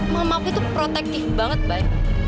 mama aku itu protektif banget bay